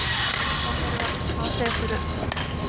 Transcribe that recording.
トンネルは完成する